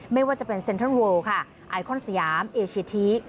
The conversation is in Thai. ไม่ว่าจะเป็นเซ็นเทิร์นโวลด์ค่ะไอคอนสยามเอเชียที